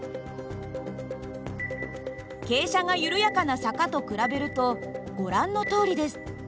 傾斜が緩やかな坂と比べるとご覧のとおりです。